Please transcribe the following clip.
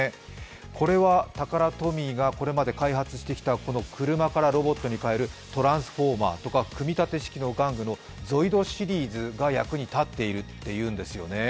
これはタカラトミーがこれまで開発してきた車からロボットに変えるトランスフォーマーとか組み立て式玩具のＺＯＩＤＳシリーズが役に立っているというんですよね。